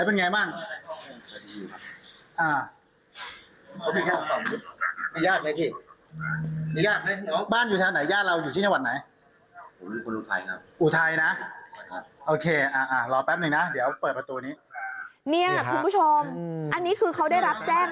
คุณผู้ชมอันนี้คือเขาได้รับแจ้ง